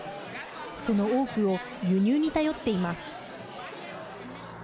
その多くを輸入に頼っています。